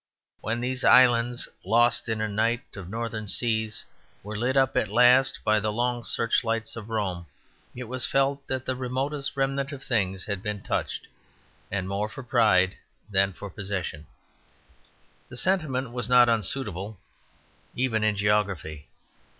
When these islands, lost in a night of northern seas, were lit up at last by the long searchlights of Rome, it was felt that the remotest remnant of things had been touched; and more for pride than possession. The sentiment was not unsuitable, even in geography.